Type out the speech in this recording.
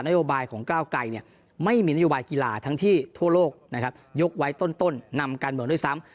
โยบายของก้าวไกรไม่มีนโยบายกีฬาทั้งที่ทั่วโลกนะครับยกไว้ต้นนำการเมืองด้วยซ้ำ